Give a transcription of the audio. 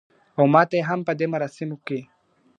او ماته یې هم په دې مراسمو کي ..